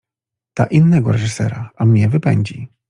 Da innego reżysera, a mnie wypędzi.